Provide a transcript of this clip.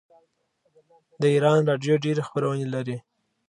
د ایران راډیو ډیرې خپرونې لري.